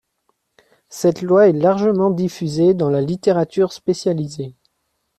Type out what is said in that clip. Cette loi est largement diffusée dans la littérature spécialisée.